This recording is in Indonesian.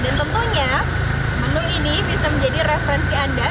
dan tentunya menu ini bisa menjadi referensi anda